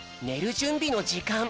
じゅんびのじかん。